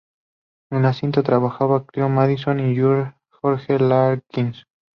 En la cinta trabajaban Cleo Madison y George Larkin.